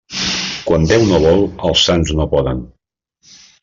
Quan Déu no vol, els sants no poden.